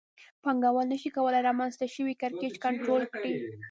پانګوال نشي کولای رامنځته شوی کړکېچ کنټرول کړي